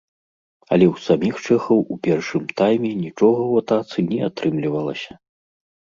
Але ў саміх чэхаў у першым тайме нічога ў атацы не атрымлівалася.